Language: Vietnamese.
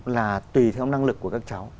là tùy theo năng lực của các cháu